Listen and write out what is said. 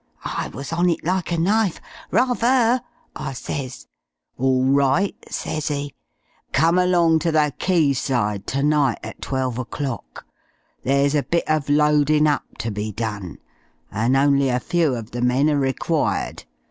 I was on it like a knife. 'Ra ther!' I ses. 'Orl right,' ses 'e. 'Come along ter the quayside ternight at twelve o'clock. There's a bit uf loadin' up ter be done, an' only a few uv the men are required.